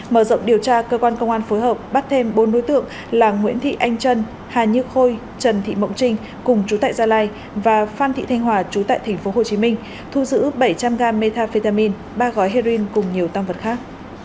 mở rộng điều tra cơ quan công an phối hợp bắt thêm bốn đối tượng là nguyễn thị anh trân hà như khôi trần thị mộng trinh cùng chú tại gia lai và phan thị thanh hòa chú tại tp hcm thu giữ bảy trăm linh g metafetamine ba gói heroin cùng nhiều tăng vật khác